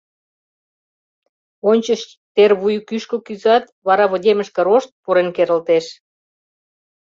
Ончыч тер вуй кӱшкӧ кӱзат, вара вынемышке рошт пурен керылтеш.